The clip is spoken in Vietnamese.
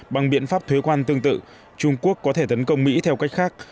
bằng biện pháp thuế quan tương tự trung quốc có thể tấn công mỹ theo cách khác